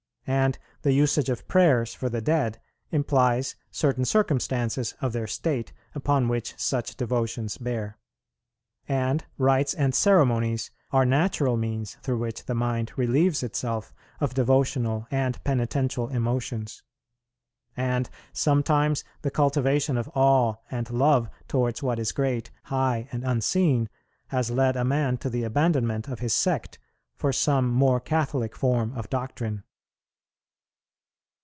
And the usage of prayers for the dead implies certain circumstances of their state upon which such devotions bear. And rites and ceremonies are natural means through which the mind relieves itself of devotional and penitential emotions. And sometimes the cultivation of awe and love towards what is great, high, and unseen, has led a man to the abandonment of his sect for some more Catholic form of doctrine.